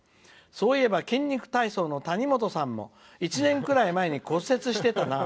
そういえば「筋肉体操」の谷本さんも１年ぐらい前に骨折してたな。